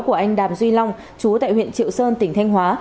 của anh đàm duy long chú tại huyện triệu sơn tỉnh thanh hóa